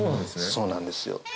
そうなんですよ。